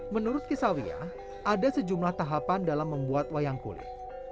menurut kisawiyah ada sejumlah tahapan dalam membuat wayang kulit